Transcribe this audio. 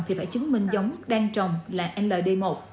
thì phải chứng minh giống đang trồng là ld một